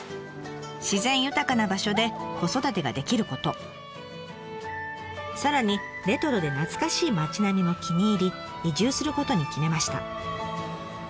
自然豊かな場所で子育てができることさらにレトロで懐かしい町並みも気に入り移住することに決めました。